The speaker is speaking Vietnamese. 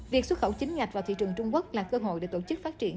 việc xuất khẩu chính ngạch vào thị trường trung quốc là cơ hội để tổ chức phát triển